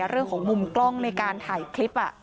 เรื่องของมุมกล้องในการถ่ายคลิป